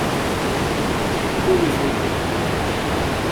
¿yo hubiese vivido?